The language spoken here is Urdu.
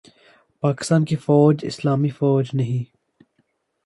پاکستان کی فوج اسلامی فوج نہیں